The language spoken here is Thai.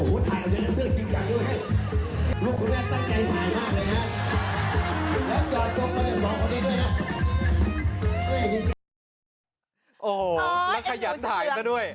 โอ้โหแล้วขยันถ่ายซะด้วย